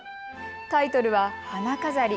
タイトルは花飾り。